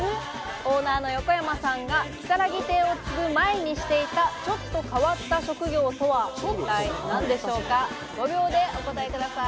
オーナーの横山さんがきさらぎ亭を継ぐ前にしていた、ちょっと変わった職業とは一体何でしょうか？